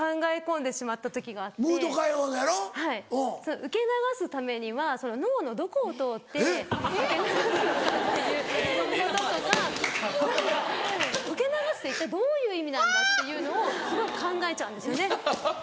受け流すためには脳のどこを通って受け流すのかっていうこととか受け流すって一体どういう意味なんだっていうのをすごい考えちゃうんですよね。